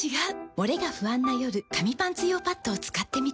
モレが不安な夜紙パンツ用パッドを使ってみた。